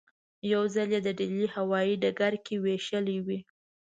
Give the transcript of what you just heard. یو ځل یې د ډیلي په هوايي ډګر کې وېشلې وې.